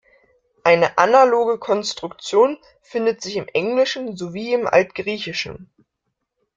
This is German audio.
Eine analoge Konstruktion findet sich im Englischen sowie im Altgriechischen.